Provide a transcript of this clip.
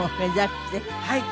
はい。